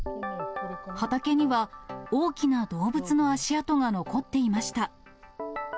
畑には大きな動物の足跡が残っていました。